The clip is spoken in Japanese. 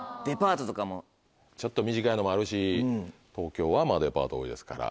ちょっと短いのもあるし東京はデパート多いですから。